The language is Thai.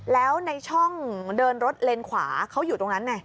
แล้วในช่องเดินรถเลนขวาเขาอยู่ตรงนั้นไง